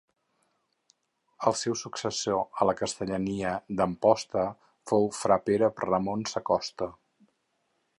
El seu successor a la castellania d'Amposta fou fra Pere Ramon Sacosta.